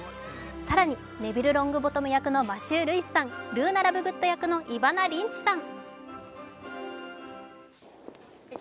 更に、ネビル・ロングボトム役のマシュー・ルイスさんルーナ・ラブグッド役のイヴァナ・リンチさん。